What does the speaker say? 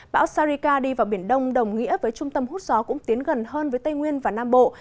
bão sarika đi vào biển đông đồng nghĩa với trung tâm hút gió cũng tiến gần hơn với tây nguyên và nam bộ